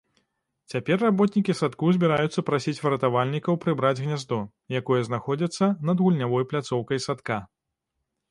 Цяпер работнікі садку збіраюцца прасіць выратавальнікаў прыбраць гняздо, якое знаходзіцца над гульнявой пляцоўкай садка.